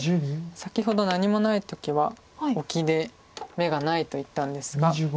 先ほど何もない時はオキで眼がないと言ったんですが。